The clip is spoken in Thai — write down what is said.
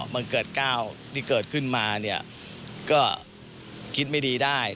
มันเกิดก้าวที่เกิดขึ้นมาเนี่ยก็คิดไม่ดีได้